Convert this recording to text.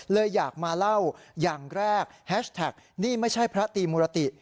เลยอยากมาเล่าอย่างแรกแฮชแท็กนี่ไม่ใช่พระตีมุรติ